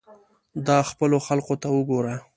دا خپلو خلقو ته وګوره.